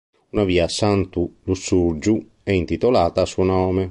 Una via a Santu Lussurgiu è intitolata a suo nome.